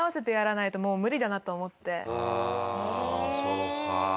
ああそうか。